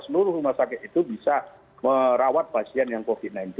seluruh rumah sakit itu bisa merawat pasien yang covid sembilan belas